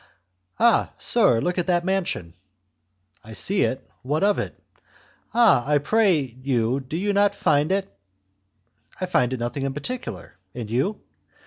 "Ah, sir! look at that mansion!" "I see it; what of it?" "Ah! I pray you, do you not find it...." "I find nothing particular; and you?"